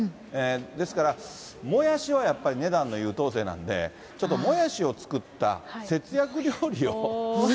ですから、もやしはやっぱり値段の優等生なんで、ちょっともやしを使った節約料理を。